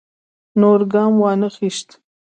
نور ګام وانه خیست.